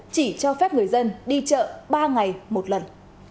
chỉ cho phép người dân đi chợ ba ngày một lần